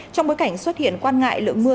trong bối cảnh xuất hiện quan ngại lượng mưa